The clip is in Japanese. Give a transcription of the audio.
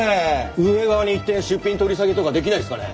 運営側に言って出品取り下げとかできないっすかね？